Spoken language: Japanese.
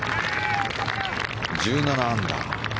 １７アンダー。